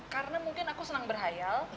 karena mungkin aku senang berhayal